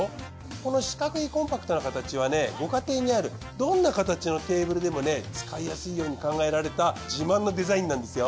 この四角いコンパクトな形はご家庭にあるどんな形のテーブルでも使いやすいように考えられた自慢のデザインなんですよ。